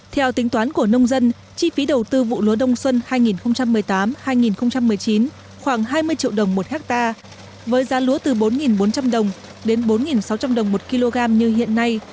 theo tính toán của nông dân chi phí đầu tư vụ lúa đông xuân hai nghìn một mươi tám hai nghìn một mươi chín khoảng hai mươi triệu đồng một hectare với giá lúa từ bốn bốn trăm linh đồng đến bốn sáu trăm linh đồng một kg như hiện nay